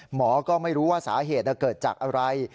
หมอก็ไม่รู้ว่าสาเหตุเกิดจากอะไร